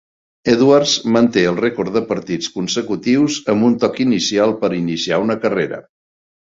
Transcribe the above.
Edwards manté el rècord de partits consecutius amb un toc inicial per iniciar una carrera.